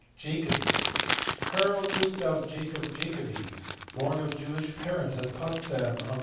Jacob! *. Carl Gustav Jacob Jacobi, born of Jewish parents at Potsdam on Dec.